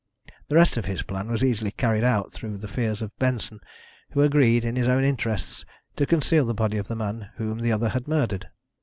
The rest of his plan was easily carried out through the fears of Benson, who agreed, in his own interests, to conceal the body of the man whom the other had murdered.